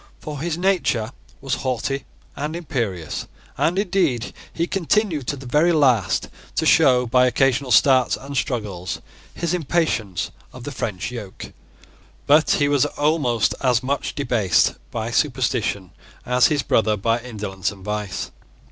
For his nature was haughty and imperious; and, indeed, he continued to the very last to show, by occasional starts and struggles, his impatience of the French yoke. But he was almost as much debased by superstition as his brother by indolence and vice.